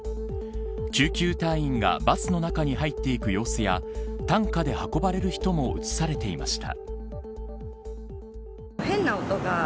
救急隊員がバスの中に入っていく様子や担架で運ばれる人も映されていました。